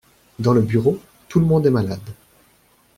Dans le bureau, tout le monde est malade.